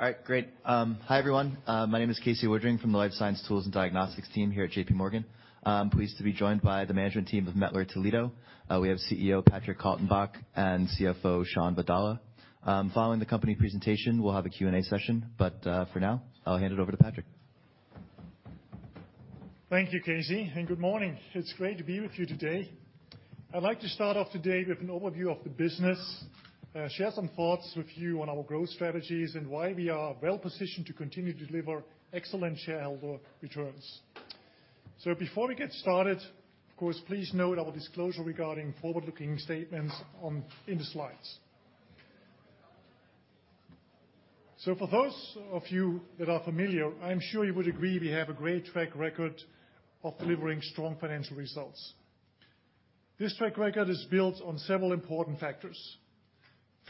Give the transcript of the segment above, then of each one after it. All right, great. Hi, everyone. My name is Casey Woodring from the Life Science Tools and Diagnostics team here at JPMorgan. I'm pleased to be joined by the management team of Mettler-Toledo. We have CEO Patrick Kaltenbach and CFO Shawn Vadala. Following the company presentation, we'll have a Q&A session, but for now, I'll hand it over to Patrick. Thank you, Casey. Good morning. It's great to be with you today. I'd like to start off today with an overview of the business, share some thoughts with you on our growth strategies and why we are well-positioned to continue to deliver excellent shareholder returns. Before we get started, of course, please note our disclosure regarding forward-looking statements in the slides. For those of you that are familiar, I'm sure you would agree we have a great track record of delivering strong financial results. This track record is built on several important factors.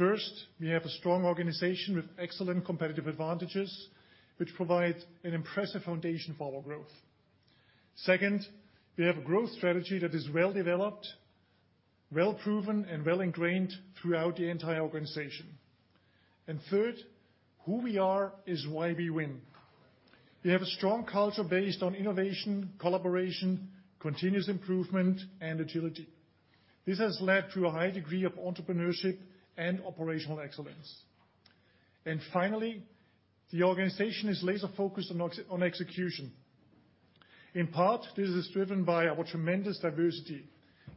First, we have a strong organization with excellent competitive advantages, which provide an impressive foundation for our growth. Second, we have a growth strategy that is well developed, well proven, and well ingrained throughout the entire organization. Third, who we are is why we win. We have a strong culture based on innovation, collaboration, continuous improvement, and agility. This has led to a high degree of entrepreneurship and operational excellence. Finally, the organization is laser-focused on execution. In part, this is driven by our tremendous diversity.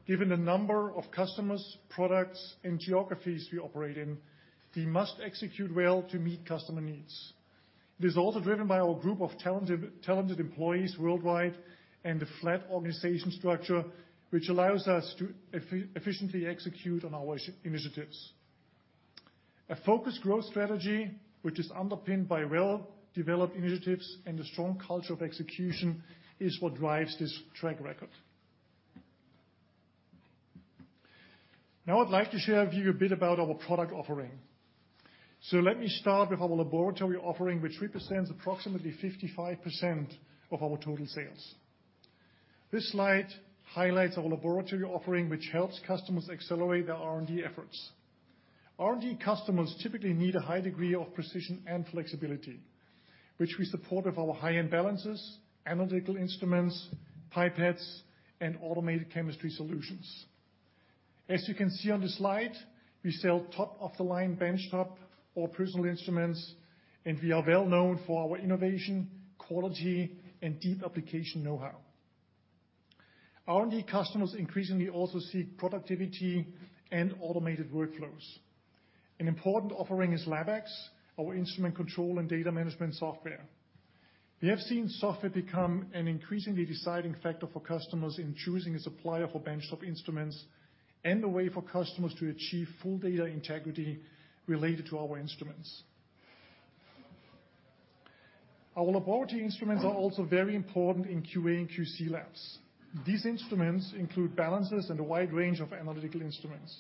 Given the number of customers, products, and geographies we operate in, we must execute well to meet customer needs. It is also driven by our group of talented employees worldwide and the flat organization structure, which allows us to efficiently execute on our initiatives. A focused growth strategy, which is underpinned by well-developed initiatives and a strong culture of execution, is what drives this track record. I'd like to share with you a bit about our product offering. Let me start with our laboratory offering, which represents approximately 55% of our total sales. This slide highlights our laboratory offering, which helps customers accelerate their R&D efforts. R&D customers typically need a high degree of precision and flexibility, which we support with our high-end balances, analytical instruments, pipettes, and automated chemistry solutions. As you can see on the slide, we sell top-of-the-line benchtop or personal instruments, and we are well known for our innovation, quality, and deep application know-how. R&D customers increasingly also seek productivity and automated workflows. An important offering is LabX, our instrument control and data management software. We have seen software become an increasingly deciding factor for customers in choosing a supplier for benchtop instruments and a way for customers to achieve full data integrity related to our instruments. Our laboratory instruments are also very important in QA and QC labs. These instruments include balances and a wide range of analytical instruments.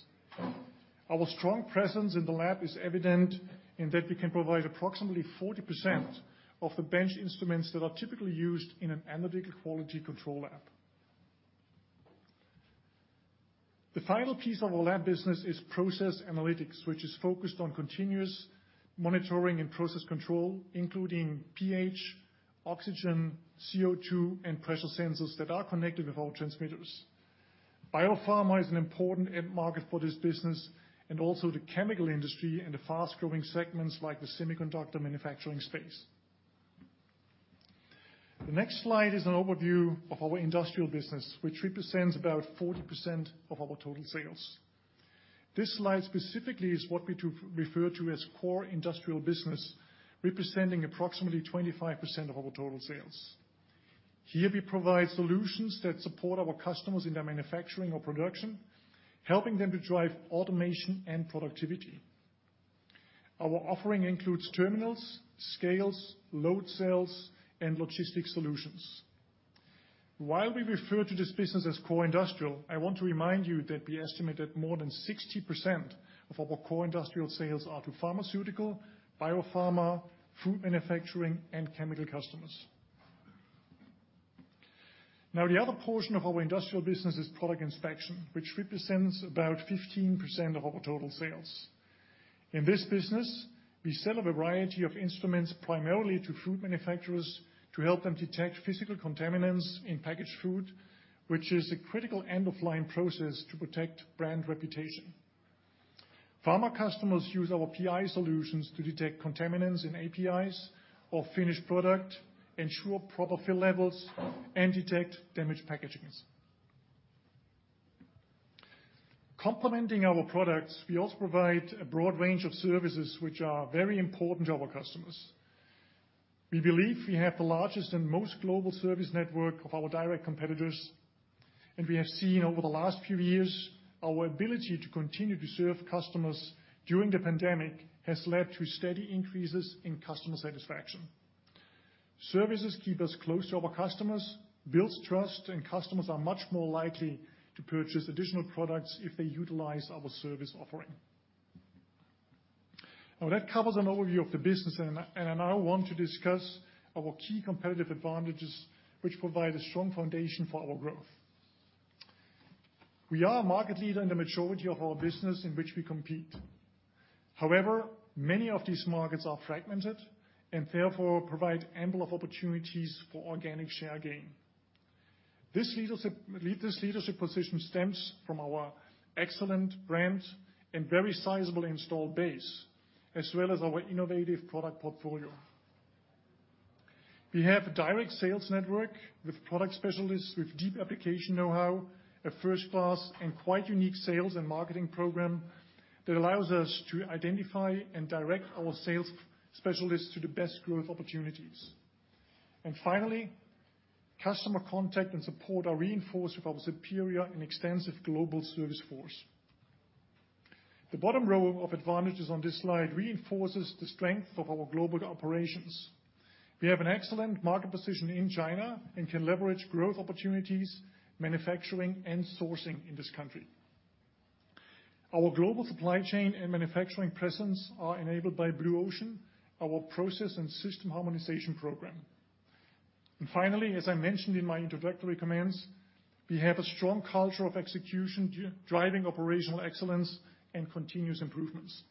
Our strong presence in the lab is evident in that we can provide approximately 40% of the bench instruments that are typically used in an analytical quality control lab. The final piece of our lab business is Process Analytics, which is focused on continuous monitoring and process control, including pH, oxygen, CO2, and pressure sensors that are connected with our transmitters. Biopharma is an important end market for this business and also the chemical industry and the fast-growing segments like the semiconductor manufacturing space. The next slide is an overview of our industrial business, which represents about 40% of our total sales. This slide specifically is what we refer to as core industrial business, representing approximately 25% of our total sales. Here we provide solutions that support our customers in their manufacturing or production, helping them to drive automation and productivity. Our offering includes terminals, scales, load cells, and logistics solutions. While we refer to this business as core industrial, I want to remind you that we estimate that more than 60% of our core industrial sales are to pharmaceutical, biopharma, food manufacturing, and chemical customers. The other portion of our industrial business is Product Inspection, which represents about 15% of our total sales. In this business, we sell a variety of instruments primarily to food manufacturers to help them detect physical contaminants in packaged food, which is a critical end-of-line process to protect brand reputation. Pharma customers use our PI solutions to detect contaminants in APIs or finished product, ensure proper fill levels, and detect damaged packagings. Complementing our products, we also provide a broad range of services which are very important to our customers. We believe we have the largest and most global service network of our direct competitors. We have seen over the last few years our ability to continue to serve customers during the pandemic has led to steady increases in customer satisfaction. Services keep us close to our customers, build trust. Customers are much more likely to purchase additional products if they utilize our service offering. That covers an overview of the business. I now want to discuss our key competitive advantages, which provide a strong foundation for our growth. We are a market leader in the majority of our business in which we compete. Many of these markets are fragmented and therefore provide ample opportunities for organic share gain. This leadership position stems from our excellent brand and very sizable installed base, as well as our innovative product portfolio. We have a direct sales network with product specialists with deep application know-how, a first-class and quite unique sales and marketing program that allows us to identify and direct our sales specialists to the best growth opportunities. Finally, customer contact and support are reinforced with our superior and extensive global service force. The bottom row of advantages on this slide reinforces the strength of our global operations. We have an excellent market position in China and can leverage growth opportunities, manufacturing, and sourcing in this country. Our global supply chain and manufacturing presence are enabled by Blue Ocean, our process and system harmonization program. Finally, as I mentioned in my introductory comments, we have a strong culture of execution driving operational excellence and continuous improvements.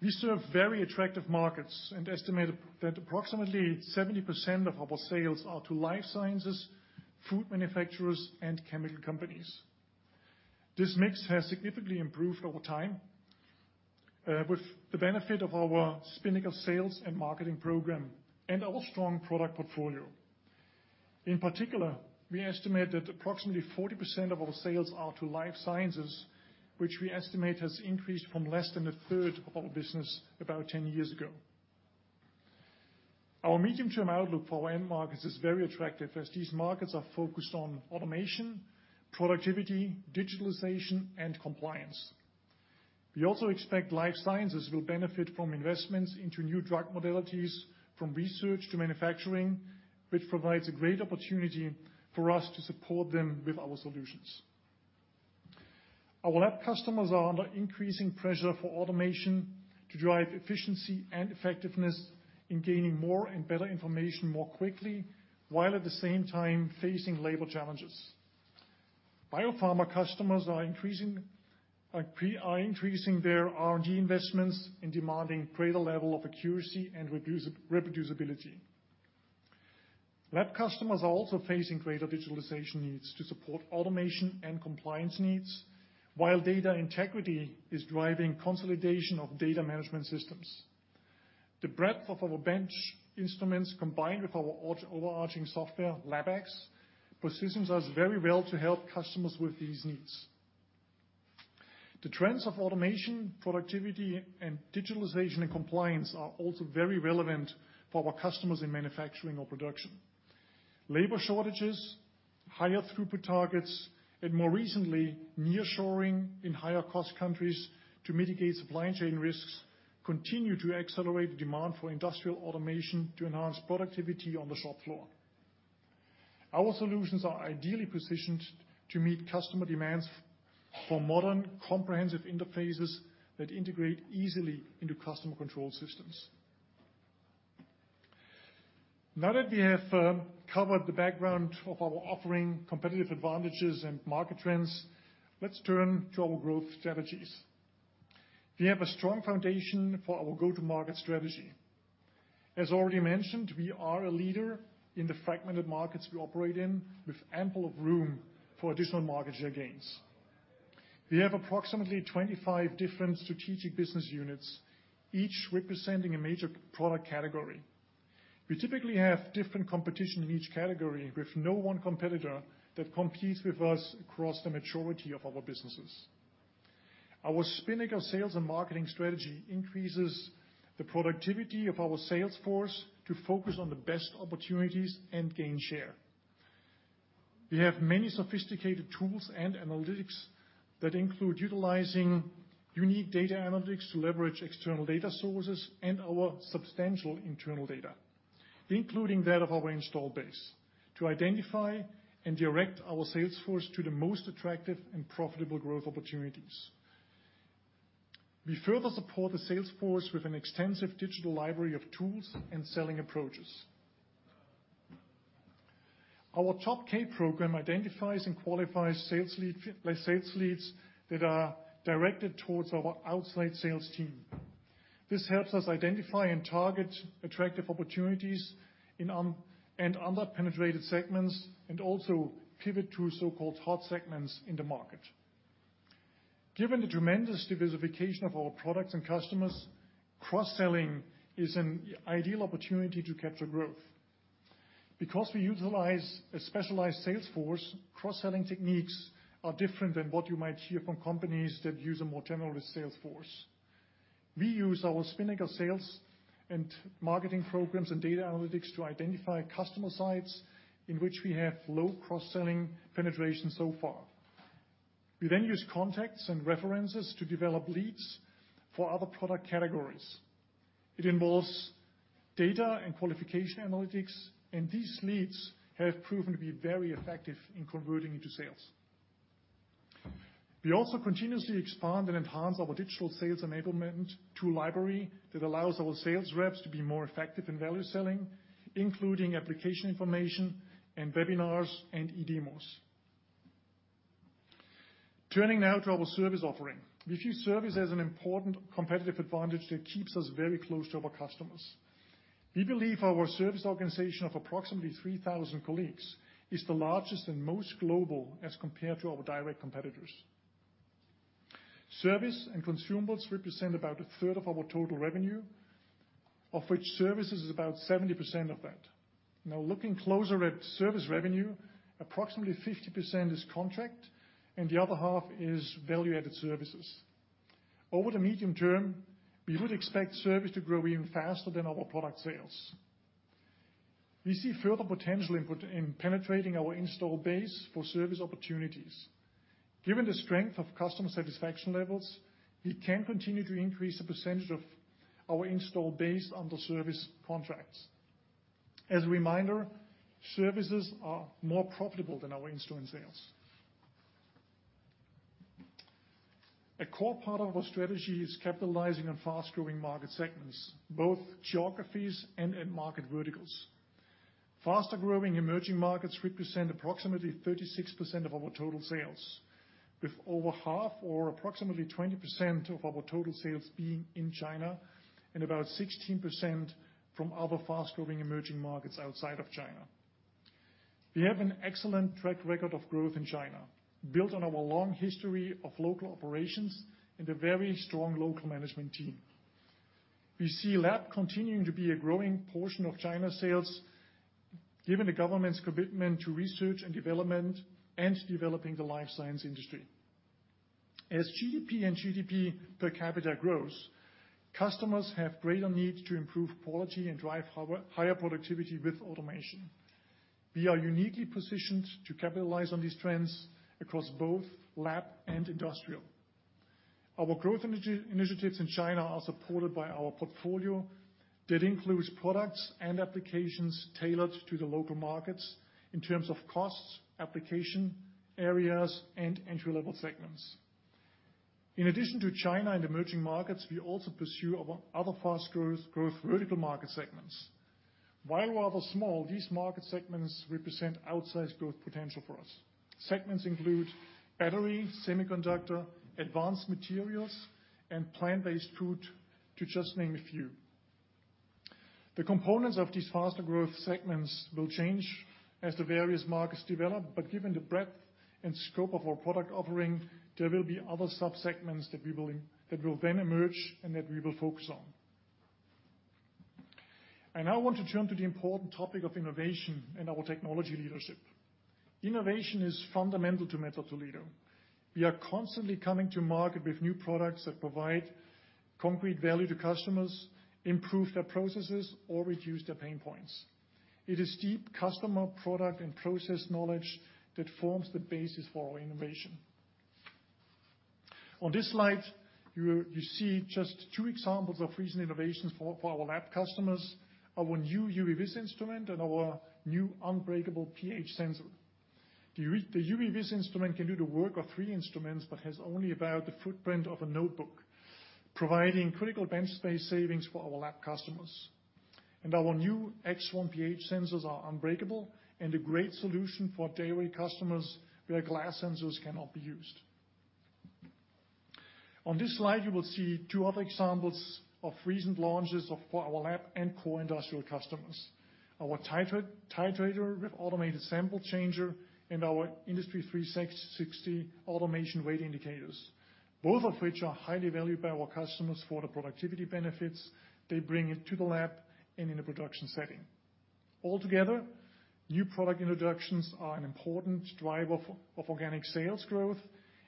We serve very attractive markets and estimate that approximately 70% of our sales are to life sciences, food manufacturers, and chemical companies. This mix has significantly improved over time, with the benefit of our Spinnaker sales and marketing program and our strong product portfolio. In particular, we estimate that approximately 40% of our sales are to life sciences, which we estimate has increased from less than 1/3 of our business about 10 years ago. Our medium-term outlook for our end markets is very attractive as these markets are focused on automation, productivity, digitalization, and compliance. We also expect life sciences will benefit from investments into new drug modalities, from research to manufacturing, which provides a great opportunity for us to support them with our solutions. Our lab customers are under increasing pressure for automation to drive efficiency and effectiveness in gaining more and better information more quickly, while at the same time facing labor challenges. Biopharma customers are increasing their R&D investments and demanding greater level of reproducibility. Lab customers are also facing greater digitalization needs to support automation and compliance needs, while data integrity is driving consolidation of data management systems. The breadth of our bench instruments, combined with our overarching software, LabX, positions us very well to help customers with these needs. The trends of automation, productivity, and digitalization and compliance are also very relevant for our customers in manufacturing or production. Labor shortages, higher throughput targets, and more recently, nearshoring in higher cost countries to mitigate supply chain risks continue to accelerate the demand for industrial automation to enhance productivity on the shop floor. Our solutions are ideally positioned to meet customer demands for modern, comprehensive interfaces that integrate easily into customer control systems. Now that we have covered the background of our offering, competitive advantages, and market trends, let's turn to our growth strategies. We have a strong foundation for our go-to-market strategy. As already mentioned, we are a leader in the fragmented markets we operate in, with ample of room for additional market share gains. We have approximately 25 different strategic business units, each representing a major product category. We typically have different competition in each category, with no one competitor that competes with us across the majority of our businesses. Our Spinnaker sales and marketing strategy increases the productivity of our sales force to focus on the best opportunities and gain share. We have many sophisticated tools and analytics that include utilizing unique data analytics to leverage external data sources and our substantial internal data, including that of our installed base, to identify and direct our sales force to the most attractive and profitable growth opportunities. We further support the sales force with an extensive digital library of tools and selling approaches. Our Top K program identifies and qualifies sales leads that are directed towards our outside sales team. This helps us identify and target attractive opportunities in under-penetrated segments, and also pivot to so-called hot segments in the market. Given the tremendous diversification of our products and customers, cross-selling is an ideal opportunity to capture growth. We utilize a specialized sales force, cross-selling techniques are different than what you might hear from companies that use a more generalist sales force. We use our Spinnaker sales and marketing programs and data analytics to identify customer sites in which we have low cross-selling penetration so far. We use contacts and references to develop leads for other product categories. It involves data and qualification analytics, these leads have proven to be very effective in converting into sales. We also continuously expand and enhance our digital sales enablement tool library that allows our sales reps to be more effective in value selling, including application information and webinars and e-demos. Turning now to our service offering. We view service as an important competitive advantage that keeps us very close to our customers. We believe our service organization of approximately 3,000 colleagues is the largest and most global as compared to our direct competitors. Service and consumables represent about a third of our total revenue, of which services is about 70% of that. Looking closer at service revenue, approximately 50% is contract, and the other half is value-added services. Over the medium term, we would expect service to grow even faster than our product sales. We see further potential input in penetrating our install base for service opportunities. Given the strength of customer satisfaction levels, we can continue to increase the percentage of our install base under service contracts. As a reminder, services are more profitable than our instrument sales. A core part of our strategy is capitalizing on fast-growing market segments, both geographies and end market verticals. Faster-growing emerging markets represent approximately 36% of our total sales, with over half or approximately 20% of our total sales being in China and about 16% from other fast-growing emerging markets outside of China. We have an excellent track record of growth in China, built on our long history of local operations and a very strong local management team. We see lab continuing to be a growing portion of China's sales, given the government's commitment to research and development and developing the life science industry. As GDP and GDP per capita grows, customers have greater need to improve quality and drive higher productivity with automation. We are uniquely positioned to capitalize on these trends across both lab and industrial. Our growth initiatives in China are supported by our portfolio that includes products and applications tailored to the local markets in terms of costs, application, areas, and entry-level segments. In addition to China and emerging markets, we also pursue our other fast growth vertical market segments. While rather small, these market segments represent outsized growth potential for us. Segments include battery, semiconductor, advanced materials, and plant-based food, to just name a few. The components of these faster growth segments will change as the various markets develop, but given the breadth and scope of our product offering, there will be other sub-segments that will then emerge and that we will focus on. I now want to turn to the important topic of innovation and our technology leadership. Innovation is fundamental to Mettler-Toledo. We are constantly coming to market with new products that provide concrete value to customers, improve their processes, or reduce their pain points. It is deep customer product and process knowledge that forms the basis for our innovation. On this slide, you see just two examples of recent innovations for our lab customers, our new UV/VIS instrument and our new unbreakable pH sensor. The UV/VIS instrument can do the work of 3 instruments, has only about the footprint of a notebook, providing critical bench space savings for our lab customers. Our new InPro X1 pH sensors are unbreakable and a great solution for dairy customers where glass sensors cannot be used. On this slide, you will see two other examples of recent launches for our lab and core industrial customers. Our titrator with automated sample changer and our IND360 automation weight indicators, both of which are highly valued by our customers for the productivity benefits they bring into the lab and in a production setting. Altogether, new product introductions are an important driver of organic sales growth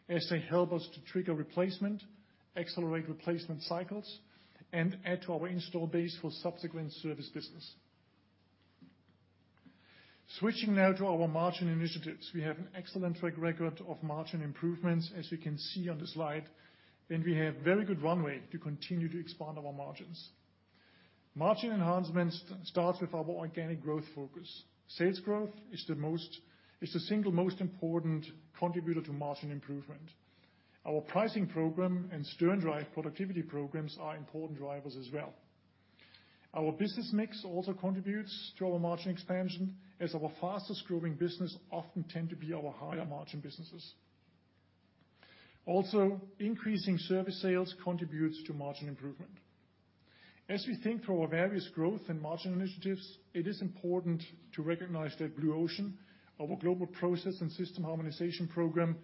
as they help us to trigger replacement, accelerate replacement cycles, and add to our install base for subsequent service business. Switching now to our margin initiatives. We have an excellent track record of margin improvements, as you can see on this slide, we have very good runway to continue to expand our margins. Margin enhancements starts with our organic growth focus. Sales growth is the single most important contributor to margin improvement. Our pricing program and SternDrive productivity programs are important drivers as well. Our business mix also contributes to our margin expansion, as our fastest-growing business often tend to be our higher margin businesses. Also, increasing service sales contributes to margin improvement. As we think through our various growth and margin initiatives, it is important to recognize that Blue Ocean, our global process and system harmonization program,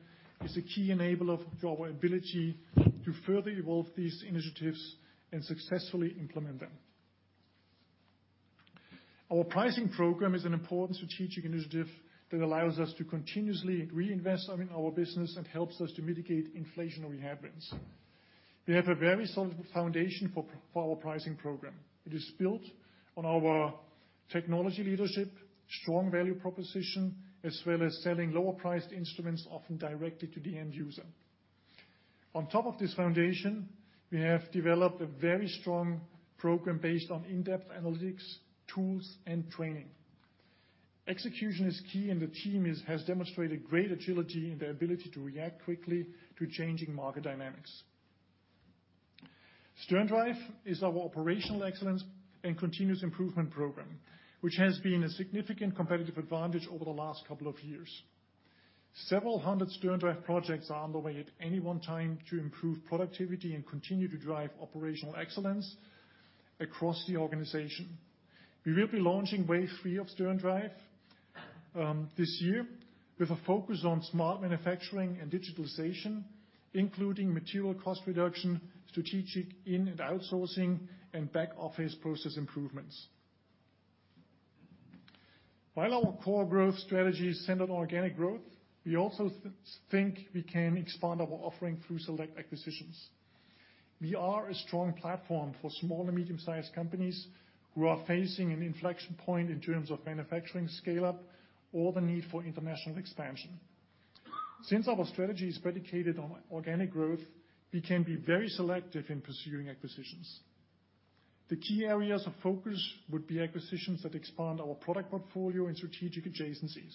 is a key enabler of our ability to further evolve these initiatives and successfully implement them. Our pricing program is an important strategic initiative that allows us to continuously reinvest in our business and helps us to mitigate inflationary headwinds. We have a very solid foundation for our pricing program. It is built on our technology leadership, strong value proposition, as well as selling lower-priced instruments, often directly to the end user. On top of this foundation, we have developed a very strong program based on in-depth analytics, tools, and training. Execution is key. The team has demonstrated great agility in their ability to react quickly to changing market dynamics. SternDrive is our operational excellence and continuous improvement program, which has been a significant competitive advantage over the last couple of years. Several hundred SternDrive projects are underway at any one time to improve productivity and continue to drive operational excellence across the organization. We will be launching wave three of SternDrive this year with a focus on smart manufacturing and digitalization, including material cost reduction, strategic in and outsourcing, and back office process improvements. While our core growth strategy is centered on organic growth, we also think we can expand our offering through select acquisitions. We are a strong platform for small and medium-sized companies who are facing an inflection point in terms of manufacturing scale-up or the need for international expansion. Since our strategy is predicated on organic growth, we can be very selective in pursuing acquisitions. The key areas of focus would be acquisitions that expand our product portfolio and strategic adjacencies.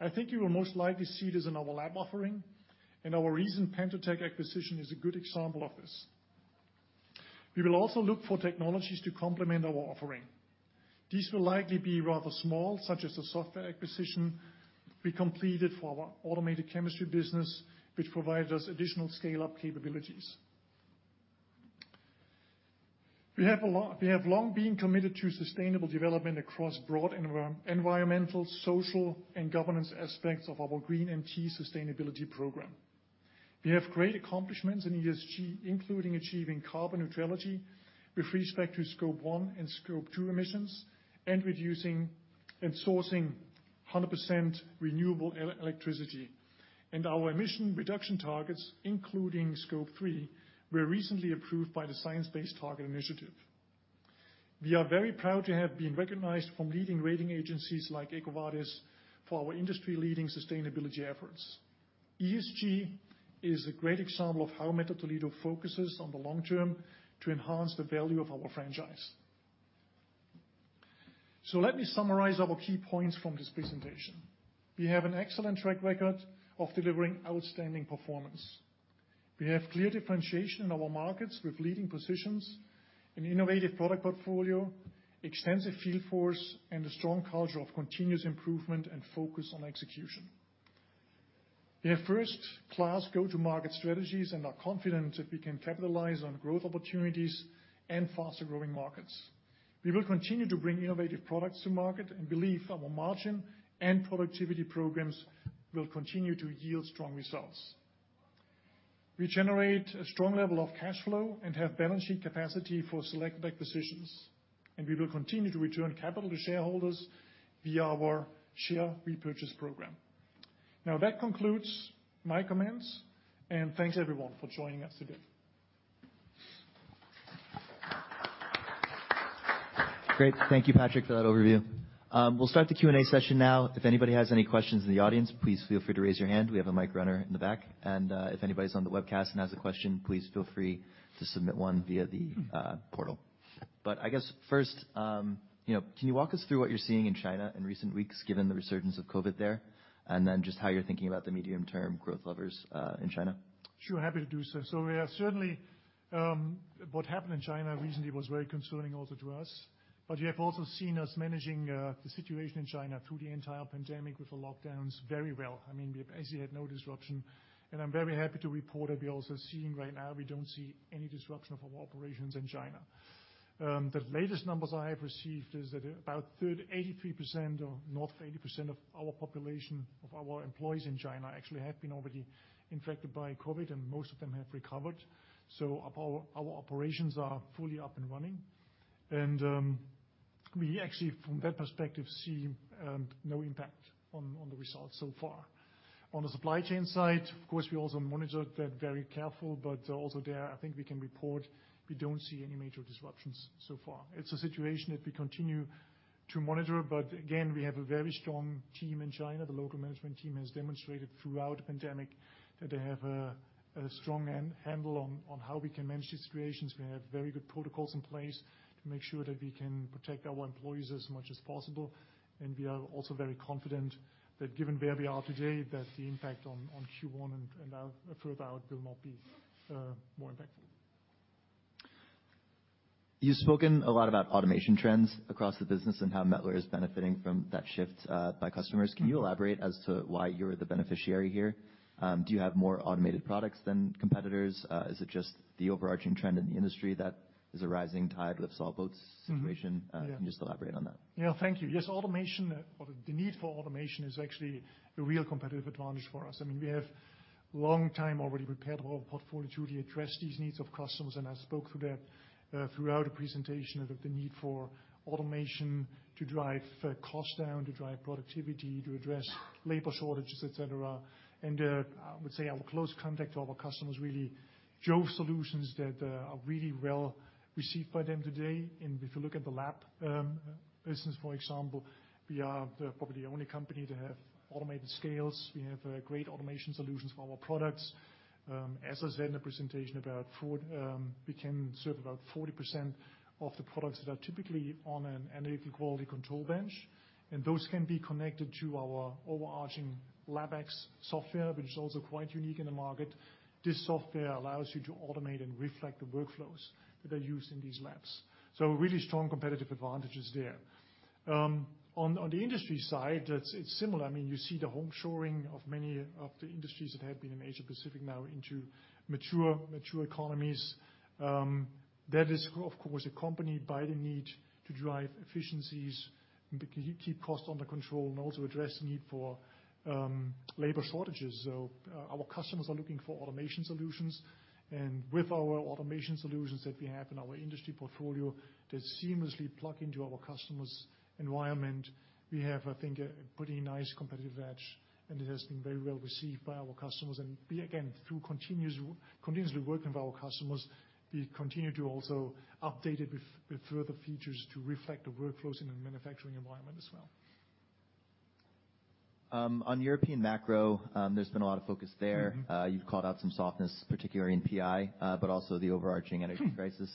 I think you will most likely see this in our lab offering, and our recent PendoTECH acquisition is a good example of this. We will also look for technologies to complement our offering. These will likely be rather small, such as the software acquisition we completed for our automated chemistry business, which provided us additional scale-up capabilities. We have long been committed to sustainable development across broad environmental, social, and governance aspects of our GreenMT sustainability program. We have great accomplishments in ESG, including achieving carbon neutrality with respect to Scope 1 and Scope 2 emissions, and reducing and sourcing 100% renewable electricity, and our emission reduction targets, including Scope 3, were recently approved by the Science Based Targets initiative. We are very proud to have been recognized from leading rating agencies like Equities for our industry-leading sustainability efforts. ESG is a great example of how Mettler-Toledo focuses on the long term to enhance the value of our franchise. Let me summarize our key points from this presentation. We have an excellent track record of delivering outstanding performance. We have clear differentiation in our markets with leading positions, an innovative product portfolio, extensive field force, and a strong culture of continuous improvement and focus on execution. We have first-class go-to-market strategies and are confident that we can capitalize on growth opportunities in faster-growing markets. We will continue to bring innovative products to market and believe our margin and productivity programs will continue to yield strong results. We generate a strong level of cash flow and have balance sheet capacity for select acquisitions, and we will continue to return capital to shareholders via our share repurchase program. That concludes my comments, and thanks, everyone, for joining us today. Great. Thank you, Patrick, for that overview. We'll start the Q&A session now. If anybody has any questions in the audience, please feel free to raise your hand. We have a mic runner in the back. If anybody's on the webcast and has a question, please feel free to submit one via the portal. I guess first, you know, can you walk us through what you're seeing in China in recent weeks, given the resurgence of COVID there? Just how you're thinking about the medium-term growth levers in China. Sure. Happy to do so. We are certainly. What happened in China recently was very concerning also to us. You have also seen us managing the situation in China through the entire pandemic with the lockdowns very well. I mean, we basically had no disruption. I'm very happy to report that we're also seeing right now, we don't see any disruption of our operations in China. The latest numbers I have received is that about 83% or north of 80% of our population, of our employees in China actually have been already infected by COVID, and most of them have recovered. Our operations are fully up and running. We actually, from that perspective, see no impact on the results so far. On the supply chain side, of course, we also monitor that very careful, also there, I think we can report we don't see any major disruptions so far. It's a situation that we continue to monitor, again, we have a very strong team in China. The local management team has demonstrated throughout the pandemic that they have a strong handle on how we can manage these situations. We have very good protocols in place to make sure that we can protect our employees as much as possible. We are also very confident that given where we are today, that the impact on Q1 and out, further out will not be more impactful. You've spoken a lot about automation trends across the business and how Mettler is benefiting from that shift by customers. Can you elaborate as to why you're the beneficiary here? Do you have more automated products than competitors? Is it just the overarching trend in the industry that is a rising tide lifts all boats situation? Mm-hmm. Yeah. Can you just elaborate on that? Yeah. Thank you. Yes, automation, or the need for automation is actually a real competitive advantage for us. I mean, we have long time already prepared our portfolio to really address these needs of customers, and I spoke to that throughout the presentation, of the need for automation to drive costs down, to drive productivity, to address labor shortages, et cetera. I would say our close contact to our customers really show solutions that are really well received by them today. If you look at the lab business, for example, we are probably the only company to have automated scales. We have great automation solutions for our products. As I said in the presentation, We can serve about 40% of the products that are typically on an analytical quality control bench, and those can be connected to our overarching LabX software, which is also quite unique in the market. This software allows you to automate and reflect the workflows that are used in these labs. Really strong competitive advantages there. On the industry side, it's similar. I mean, you see the onshoring of many of the industries that have been in Asia Pacific now into mature economies. That is, of course, accompanied by the need to drive efficiencies, keep costs under control, and also address the need for labor shortages. Our customers are looking for automation solutions. With our automation solutions that we have in our industry portfolio to seamlessly plug into our customers' environment, we have, I think, a pretty nice competitive edge, and it has been very well received by our customers. We, again, through continuously working with our customers, we continue to also update it with further features to reflect the workflows in a manufacturing environment as well. On European macro, there's been a lot of focus there. Mm-hmm. You've called out some softness, particularly in PI, but also the overarching energy crisis,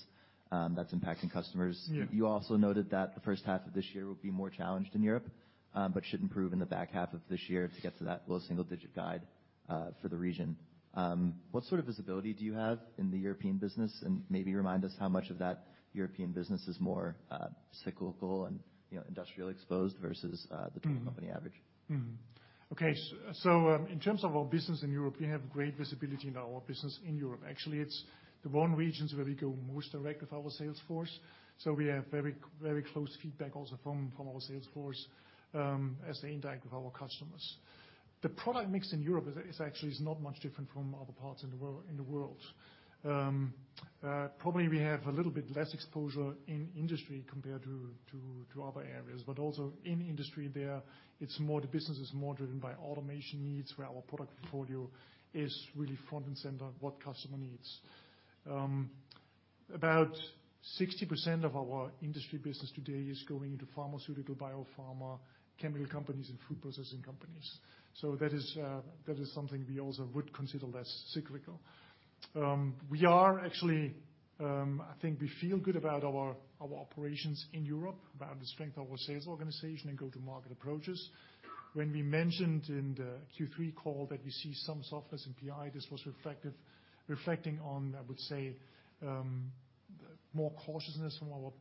that's impacting customers. Yeah. You also noted that the first half of this year will be more challenged in Europe, but should improve in the back half of this year to get to that low double single digit guide for the region. What sort of visibility do you have in the European business? Maybe remind us how much of that European business is more cyclical and, you know, industrially exposed versus Mm-hmm ...the total company average. Okay. In terms of our business in Europe, we have great visibility in our business in Europe. Actually, it's the one regions where we go most direct with our sales force. We have very close feedback also from our sales force, as they interact with our customers. The product mix in Europe is actually not much different from other parts in the world. Probably we have a little bit less exposure in industry compared to other areas, but also in industry there, the business is more driven by automation needs, where our product portfolio is really front and center what customer needs. About 60% of our industry business today is going into pharmaceutical, biopharma, chemical companies and food processing companies. That is something we also would consider less cyclical. We are actually, I think we feel good about our operations in Europe, about the strength of our sales organization and go-to-market approaches. When we mentioned in the Q3 call that we see some softness in PI, this was reflecting on, I would say, more cautiousness from our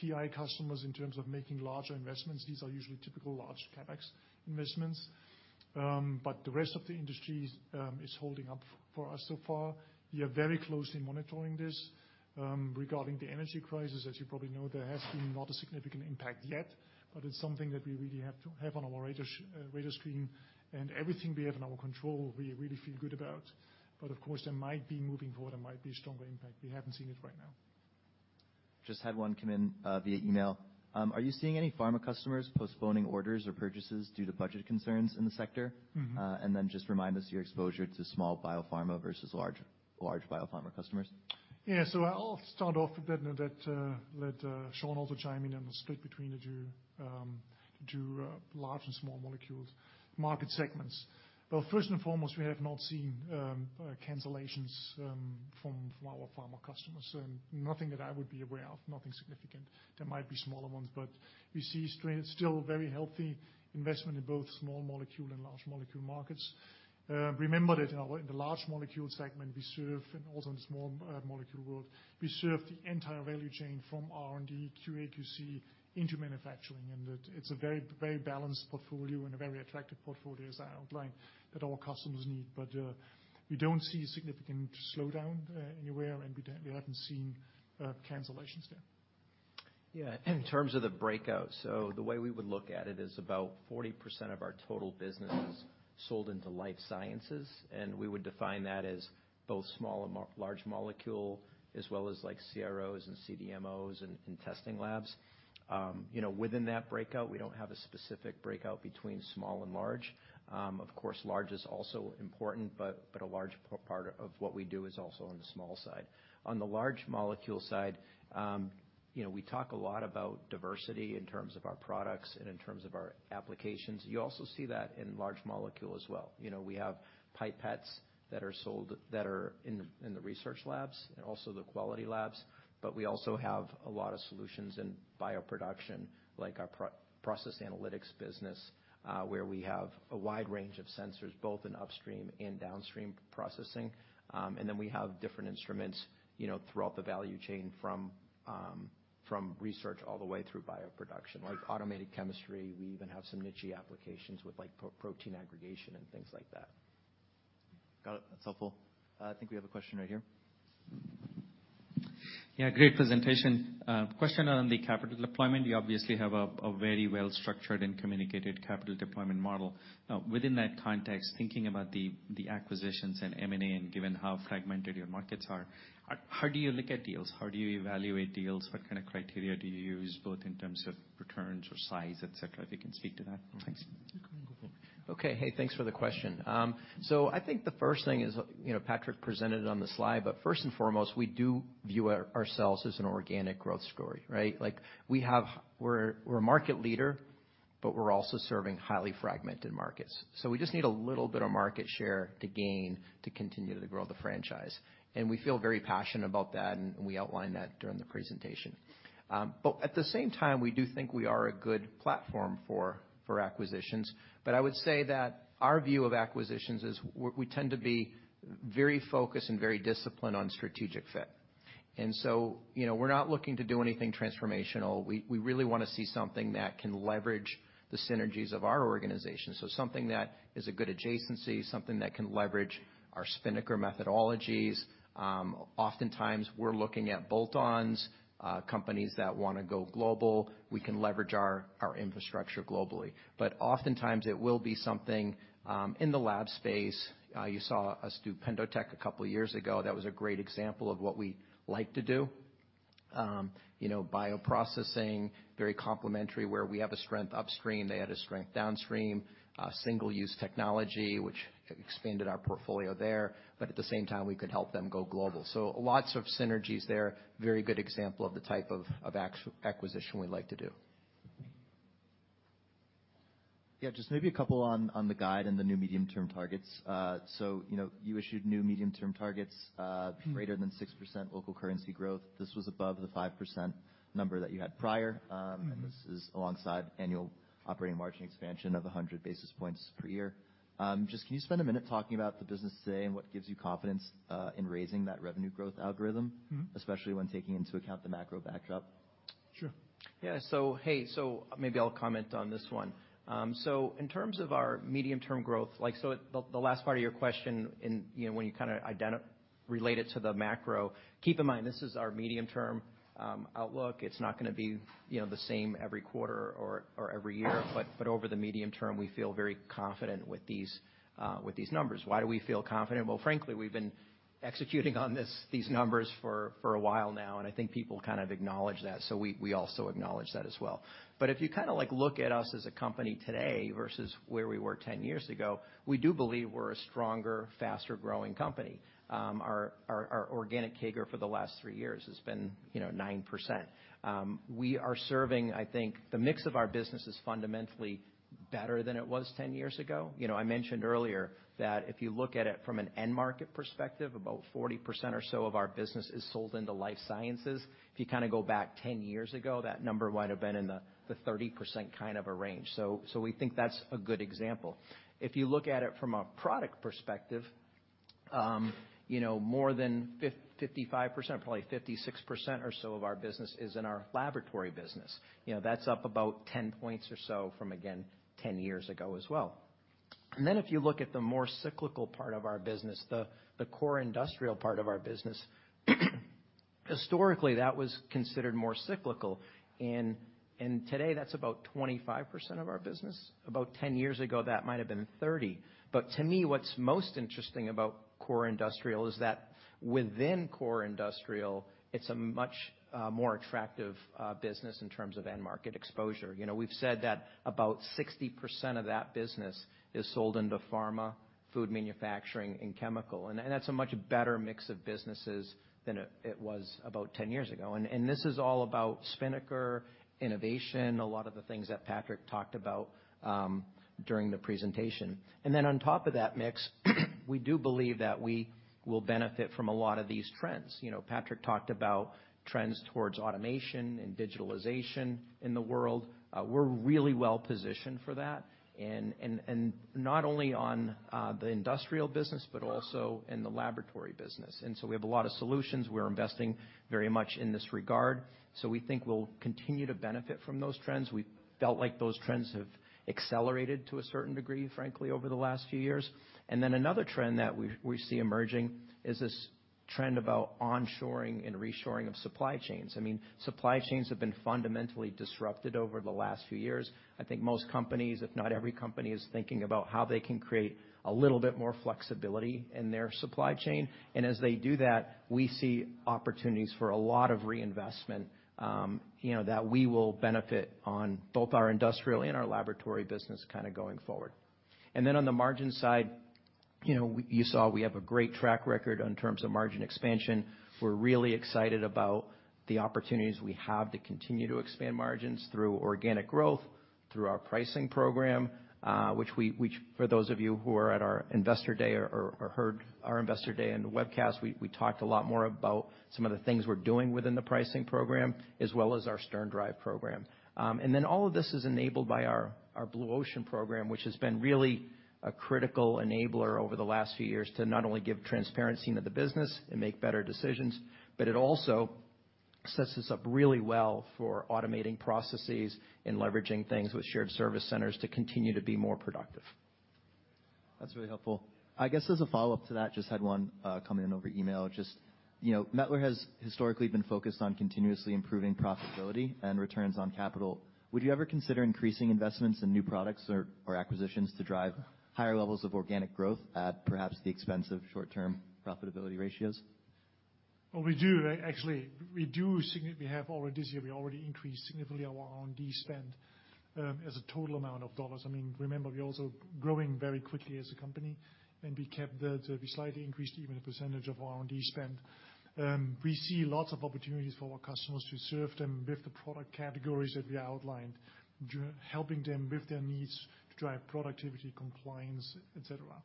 PI customers in terms of making larger investments. These are usually typical large CapEx investments. The rest of the industries is holding up for us so far. We are very closely monitoring this. Regarding the energy crisis, as you probably know, there has been not a significant impact yet, but it's something that we really have to have on our radar screen. Everything we have in our control, we really feel good about. Of course, there might be, moving forward, there might be a stronger impact. We haven't seen it right now. Just had one come in via email. Are you seeing any pharma customers postponing orders or purchases due to budget concerns in the sector? Mm-hmm. Then just remind us your exposure to small biopharma versus large biopharma customers. I'll start off with that, let Sean also chime in on the split between the two large and small molecules market segments. First and foremost, we have not seen cancellations from our pharma customers. Nothing that I would be aware of, nothing significant. There might be smaller ones, but we see still very healthy investment in both small molecule and large molecule markets. Remember that our, in the large molecule segment we serve, and also in the small molecule world, we serve the entire value chain from R&D, QA, QC into manufacturing, and that it's a very, very balanced portfolio and a very attractive portfolio, as I outlined, that our customers need. We don't see significant slowdown anywhere, and we don't, we haven't seen cancellations there. Yeah. In terms of the breakout, the way we would look at it is about 40% of our total business is sold into life sciences, and we would define that as both small and large molecule, as well as like CROs and CDMOs and testing labs. You know, within that breakout, we don't have a specific breakout between small and large. Of course, large is also important, but a large part of what we do is also on the small side. On the large molecule side, you know, we talk a lot about diversity in terms of our products and in terms of our applications. You also see that in large molecule as well. You know, we have pipettes that are sold, that are in the research labs and also the quality labs, but we also have a lot of solutions in bioproduction, like our Process Analytics business, where we have a wide range of sensors, both in upstream and downstream processing. We have different instruments, you know, throughout the value chain from research all the way through bioproduction. Like automated chemistry, we even have some niche-y applications with, like, protein aggregation and things like that. Got it. That's helpful. I think we have a question right here. Great presentation. Question on the capital deployment. You obviously have a very well-structured and communicated capital deployment model. Within that context, thinking about the acquisitions and M&A, given how fragmented your markets are, how do you look at deals? How do you evaluate deals? What kind of criteria do you use, both in terms of returns or size, et cetera? If you can speak to that. Thanks. You can go for it. Okay. Hey, thanks for the question. I think the first thing is, you know, Patrick presented it on the slide, but first and foremost, we do view ourselves as an organic growth story, right? Like, We're a market leader. We're also serving highly fragmented markets. We just need a little bit of market share to gain to continue to grow the franchise. We feel very passionate about that, and we outlined that during the presentation. At the same time, we do think we are a good platform for acquisitions. I would say that our view of acquisitions is we tend to be very focused and very disciplined on strategic fit. You know, we're not looking to do anything transformational. We really wanna see something that can leverage the synergies of our organization. something that is a good adjacency, something that can leverage our Spinnaker methodologies. Oftentimes we're looking at bolt-ons, companies that wanna go global. We can leverage our infrastructure globally. Oftentimes it will be something in the lab space. You saw us do PendoTECH two years ago. That was a great example of what we like to do. You know, bioprocessing, very complementary, where we have a strength upstream, they had a strength downstream. Single-use technology, which expanded our portfolio there, but at the same time we could help them go global. Lots of synergies there. Very good example of the type of acquisition we like to do. Yeah, just maybe a couple on the guide and the new medium-term targets. you know, you issued new medium-term targets. Mm-hmm. greater than 6% local currency growth. This was above the 5% number that you had prior. Mm-hmm. This is alongside annual operating margin expansion of 100 basis points per year. Just can you spend a minute talking about the business today and what gives you confidence in raising that revenue growth algorithm? Mm-hmm. -especially when taking into account the macro backdrop? Sure. Yeah. Hey, so maybe I'll comment on this one. In terms of our medium-term growth, like the last part of your question in, you know, when you kinda relate it to the macro, keep in mind this is our medium-term outlook. It's not gonna be, you know, the same every quarter or every year. Over the medium term, we feel very confident with these numbers. Why do we feel confident? Well, frankly, we've been executing on these numbers for a while now, and I think people kind of acknowledge that. We also acknowledge that as well. If you kinda like look at us as a company today versus where we were 10 years ago, we do believe we're a stronger, faster-growing company. Our organic CAGR for the last three years has been, you know, 9%. We are serving, I think the mix of our business is fundamentally better than it was 10 years ago. You know, I mentioned earlier that if you look at it from an end market perspective, about 40% or so of our business is sold into life sciences. If you kinda go back 10 years ago, that number might have been in the 30% kind of a range. We think that's a good example. If you look at it from a product perspective, you know, more than 55%, probably 56% or so of our business is in our laboratory business. You know, that's up about 10 points or so from, again, 10 years ago as well. If you look at the more cyclical part of our business, the core industrial part of our business, historically, that was considered more cyclical. Today, that's about 25% of our business. About 10 years ago, that might have been 30. To me, what's most interesting about core industrial is that within core industrial, it's a much more attractive business in terms of end market exposure. You know, we've said that about 60% of that business is sold into pharma, food manufacturing, and chemical, and that's a much better mix of businesses than it was about 10 years ago. This is all about Spinnaker innovation, a lot of the things that Patrick talked about during the presentation. On top of that mix, we do believe that we will benefit from a lot of these trends. You know, Patrick talked about trends towards automation and digitalization in the world. We're really well positioned for that. Not only on the industrial business, but also in the laboratory business. We have a lot of solutions. We're investing very much in this regard, so we think we'll continue to benefit from those trends. We felt like those trends have accelerated to a certain degree, frankly, over the last few years. Another trend that we see emerging is this trend about onshoring and reshoring of supply chains. I mean, supply chains have been fundamentally disrupted over the last few years. I think most companies, if not every company, is thinking about how they can create a little bit more flexibility in their supply chain. As they do that, we see opportunities for a lot of reinvestment, you know, that we will benefit on both our industrial and our laboratory business kinda going forward. Then on the margin side, you know, you saw we have a great track record in terms of margin expansion. We're really excited about the opportunities we have to continue to expand margins through organic growth, through our pricing program, which for those of you who are at our investor day or heard our investor day in the webcast, we talked a lot more about some of the things we're doing within the pricing program, as well as our SternDrive program. All of this is enabled by our Blue Ocean program, which has been really a critical enabler over the last few years to not only give transparency into the business and make better decisions, but it also sets us up really well for automating processes and leveraging things with shared service centers to continue to be more productive. That's really helpful. I guess as a follow-up to that, just had one come in over email. Just, you know, Mettler has historically been focused on continuously improving profitability and returns on capital. Would you ever consider increasing investments in new products or acquisitions to drive higher levels of organic growth at perhaps the expense of short-term profitability ratios? We do, actually. We have already this year, we already increased significantly our R&D spend as a total amount of dollars. I mean, remember, we're also growing very quickly as a company, and we kept that. We slightly increased even the percentage of R&D spend. We see lots of opportunities for our customers to serve them with the product categories that we outlined. helping them with their needs to drive productivity, compliance, et cetera.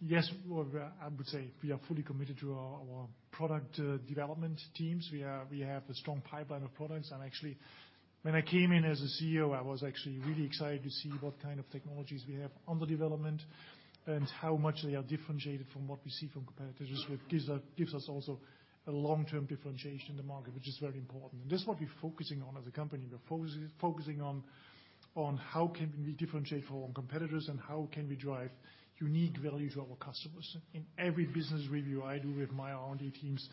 Yes, well, I would say we are fully committed to our product development teams. We have a strong pipeline of products and actually, when I came in as a CEO, I was actually really excited to see what kind of technologies we have under development and how much they are differentiated from what we see from competitors, which gives us also a long-term differentiation in the market, which is very important. That's what we're focusing on as a company. We're focusing on how can we differentiate from competitors and how can we drive unique value to our customers. In every business review I do with my R&D teams,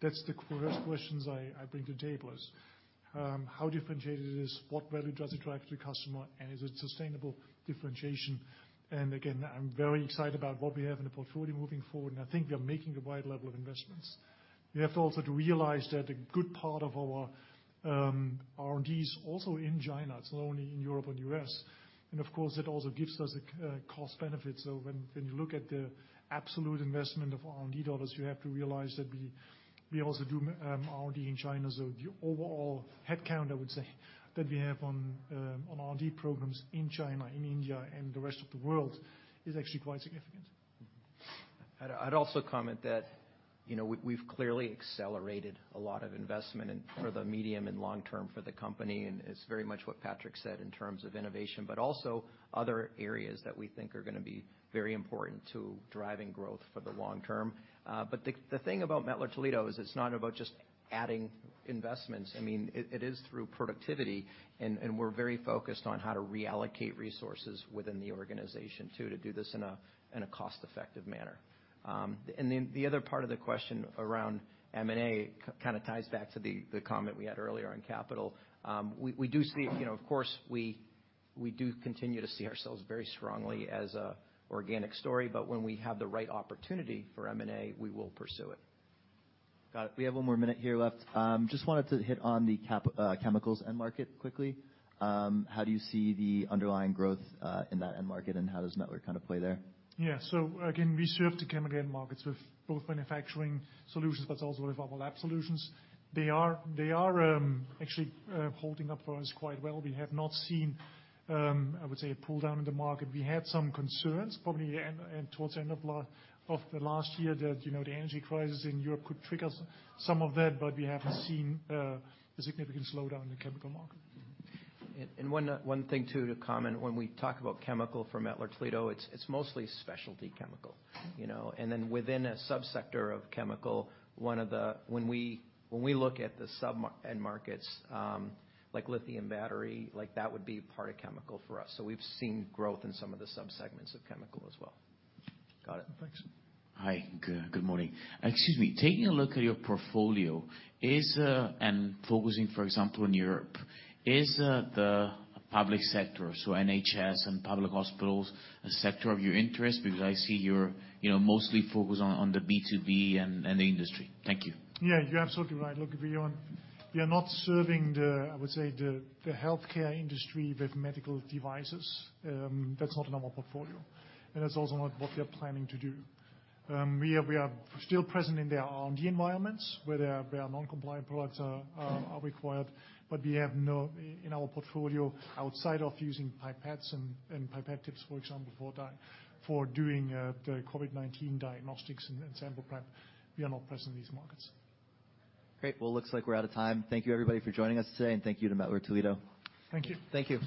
that's the first questions I bring to table is: how differentiated it is, what value does it drive to the customer, and is it sustainable differentiation? Again, I'm very excited about what we have in the portfolio moving forward, and I think we are making the right level of investments. We have also to realize that a good part of our R&D is also in China. It's not only in Europe and U.S. Of course, it also gives us a cost benefit. When you look at the absolute investment of R&D dollars, you have to realize that we also do R&D in China. The overall headcount, I would say that we have on R&D programs in China, in India, and the rest of the world is actually quite significant. I'd also comment that, you know, we've clearly accelerated a lot of investment in for the medium and long term for the company, and it's very much what Patrick said in terms of innovation, but also other areas that we think are gonna be very important to driving growth for the long term. The thing about Mettler-Toledo is it's not about just adding investments. I mean, it is through productivity, and we're very focused on how to reallocate resources within the organization too, to do this in a cost-effective manner. The other part of the question around M&A kind of ties back to the comment we had earlier on capital. We do see, you know, of course, we do continue to see ourselves very strongly as a organic story. When we have the right opportunity for M&A, we will pursue it. Got it. We have one more minute here left. Just wanted to hit on the cap, chemicals end market quickly. How do you see the underlying growth in that end market, and how does Mettler kind of play there? Again, we serve the chemical end markets with both manufacturing solutions, but also with our lab solutions. They are actually holding up for us quite well. We have not seen, I would say, a pull down in the market. We had some concerns probably towards the end of the last year that, you know, the energy crisis in Europe could trigger some of that. We haven't seen a significant slowdown in the chemical market. One thing too to comment, when we talk about chemical for Mettler-Toledo, it's mostly specialty chemical, you know. Within a sub-sector of chemical, when we look at the end markets, like lithium battery, like that would be part of chemical for us. We've seen growth in some of the sub-segments of chemical as well. Got it. Thanks. Hi. Good morning. Excuse me. Taking a look at your portfolio, is, and focusing, for example, in Europe, is the public sector, so NHS and public hospitals, a sector of your interest? I see you're, you know, mostly focused on the B2B and the industry. Thank you. Yeah, you're absolutely right. Look, we are not serving I would say, the healthcare industry with medical devices. That's not in our portfolio, and that's also not what we are planning to do. We are still present in their R&D environments where their non-compliant products are required. We have no, in our portfolio outside of using pipettes and pipette tips, for example, for doing the COVID-19 diagnostics and sample prep, we are not present in these markets. Great. Well, looks like we're out of time. Thank you everybody for joining us today, and thank you to Mettler-Toledo. Thank you. Thank you.